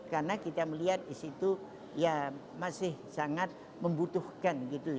karena kita melihat di situ ya masih sangat membutuhkan gitu ya